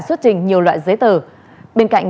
xuất trình nhiều loại giấy tờ bên cạnh